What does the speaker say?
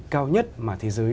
cao nhất mà thế giới